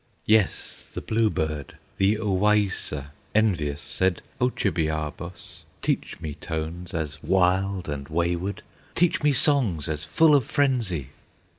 Yes, the bluebird, the Owaissa, Envious, said, "O Chibiabos, Teach me tones as wild and wayward, Teach me songs as full of frenzy!"